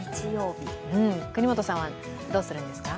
國本さんはどうするんですか？